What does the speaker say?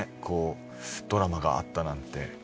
こうドラマがあったなんて。